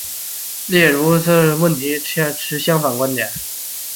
例如斯坦因与赫尔曼在此问题上便持相反观点。